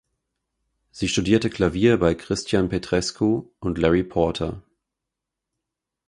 Sie studierte Klavier bei Cristian Petrescu und Larry Porter.